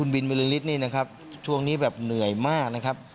วันนี้แบบเหนื่อยมากนะครับ